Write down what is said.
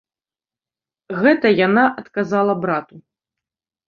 Гэта яна адказала брату.